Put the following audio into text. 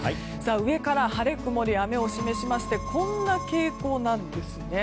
上から晴れ、曇り、雨を示しましてこんな傾向なんですね。